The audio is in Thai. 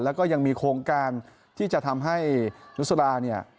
แล้วก็ยังมีโครงการที่จะทำให้นุษราเนี่ย